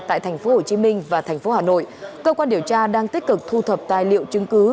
tại tp hcm và tp hcm cơ quan điều tra đang tích cực thu thập tài liệu chứng cứ